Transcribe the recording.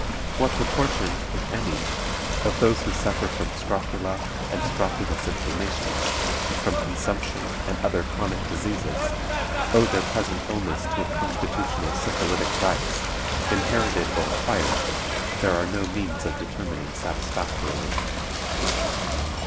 What proportion, if any, of those who suffer from scrofula and scrofulous inflammations, from consumption and other chronic diseases, owe their present illness to a constitutional syphilitic vice, inherited or acquired, there are no means of determining satisfactorily."